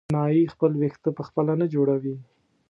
نایي خپل وېښته په خپله نه جوړوي.